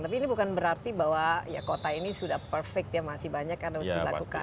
tapi ini bukan berarti bahwa kota ini sudah perfect ya masih banyak kan harus dilakukan